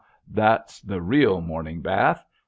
That's the real morning bath!